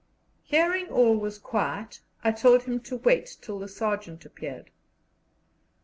Hearing all was quiet, I told him to wait till the sergeant appeared.